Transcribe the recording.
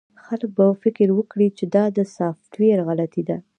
خلک به فکر وکړي چې دا د سافټویر غلطي ده